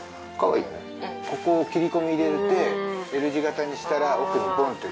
ここを切り込み入れてＬ字型にしたら奥にポンって。